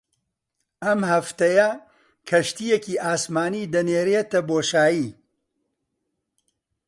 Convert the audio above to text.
ئەم هەفتەیە کەشتییەکی ئاسمانی دەنێرێتە بۆشایی